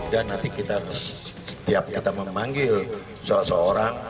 dan nanti kita setiap kita memanggil seorang seorang